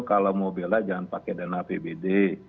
kalau mau bela jangan pakai dana apbd